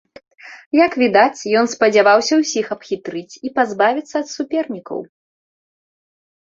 Як відаць, ён спадзяваўся ўсіх абхітрыць і пазбавіцца ад супернікаў.